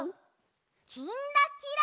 「きんらきら」。